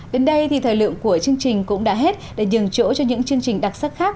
đến đây thì thời lượng của chương trình cũng đã hết để nhường chỗ cho những chương trình đặc sắc khác